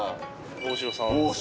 大城さん。